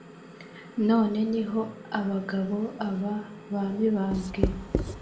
none ni ho abagabo aba ba mibambwe